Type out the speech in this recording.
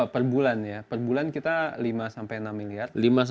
perbulan ya perbulan kita lima enam milyar